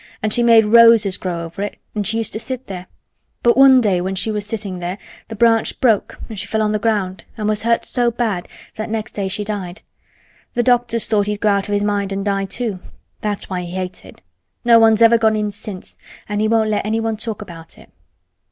An' she made roses grow over it an' she used to sit there. But one day when she was sittin' there th' branch broke an' she fell on th' ground an' was hurt so bad that next day she died. Th' doctors thought he'd go out o' his mind an' die, too. That's why he hates it. No one's never gone in since, an' he won't let anyone talk about it."